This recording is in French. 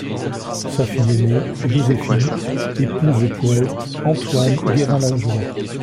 Sa fille aînée, Joséphine, épouse le poète Antoine Gérin-Lajoie.